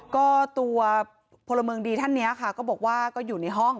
ก็ตัวพลเมืองดีท่านนี้ค่ะก็บอกว่าก็อยู่ในห้อง